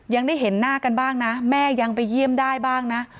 ยังได้เห็นหน้ากันบ้างนะแม่ยังไปเยี่ยมได้บ้างนะ